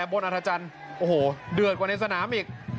แบบ